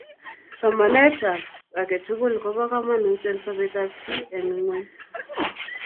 somanetab age tugul koba kamanuut eng sobetab chii eng ngweny